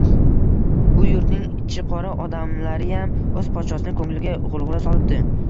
Bu yurtning ichiqora odamlariyam o‘z podshosini ko‘ngliga g‘ulg‘ula solibdi.